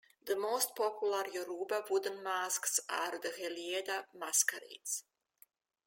The most popular Yoruba wooden masks are the Gelede masquerades.